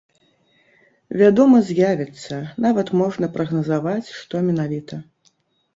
Вядома, з'явіцца, нават можна прагназаваць, што менавіта.